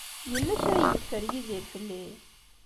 Yella kra ay yeffer Yidir fell-i?